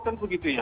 kan begitu ya